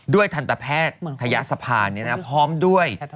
ด้วยทันตแพทย์ขยะสะพานพร้อมด้วย